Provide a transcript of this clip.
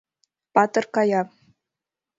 Патыр кая.